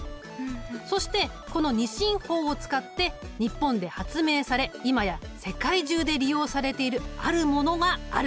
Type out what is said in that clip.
そしてこの２進法を使って日本で発明され今や世界中で利用されているあるものがある。